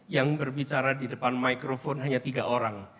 yang berbicara di depan microphone hanya tiga orang